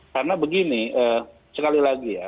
karena begini sekali lagi ya